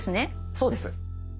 そうです。